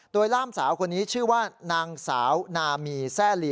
โดยล่ามสาวคนนี้ชื่อว่านางสาวนามีแซ่ลี